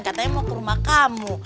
katanya mau ke rumah kamu